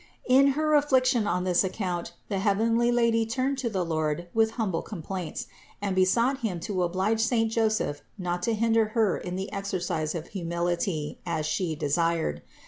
In her affliction on this account, the heavenly Lady turned to the Lord with humble complaints, and besought Him to oblige saint Joseph not to hinder Her in the exercise of humility, as She desired.